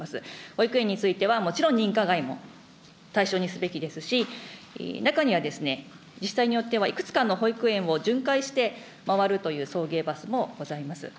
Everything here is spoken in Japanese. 保育園についてはもちろん認可外も対象にすべきですし、中には、自治体によっては、いくつかの保育園を巡回して回るという送迎バスもございます。